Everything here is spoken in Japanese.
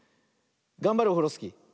がんばれオフロスキー。